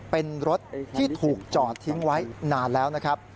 เป็นรถที่ถูกจอดทิ้งไว้นานแล้วนะครับ